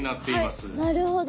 なるほど。